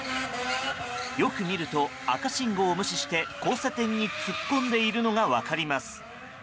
よく見ると、赤信号を無視して交差点に突っ込んでいるのが分かります。